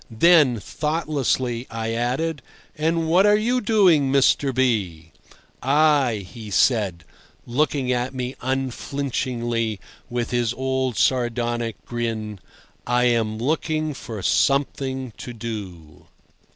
Then, thoughtlessly, I added: "And what are you doing, Mr. B ?" "I," he said, looking at me unflinchingly, with his old sardonic grin—"I am looking for something to do."